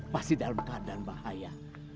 pasti dalam keadaan bahaya